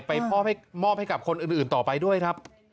มอบให้กับคนอื่นต่อไปด้วยครับ